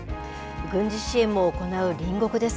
軍事支援も行う隣国です。